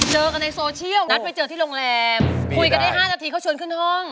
เจอกันในโซเชียลนัดไปเจอที่โรงแรมคุยกันได้๕นาทีเขาชวนขึ้นห้อง